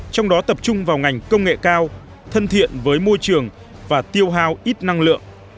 trong đó tập trung vào ngành công nghệ cao thân thiện với môi trường và tiêu hao ít năng lượng